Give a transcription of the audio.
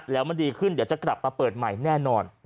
แล้วมันดีขึ้นเดี๋ยวจะกลับมาเปิดใหม่แน่นอน